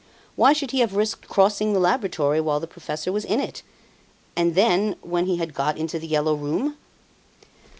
Why should he have risked crossing the laboratory while the professor was in it? And then, when he had got into "The Yellow Room"?